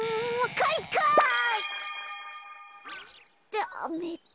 ダメだ。